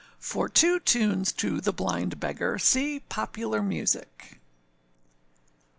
For two tunes to The Blind Beggar, see Popular Music.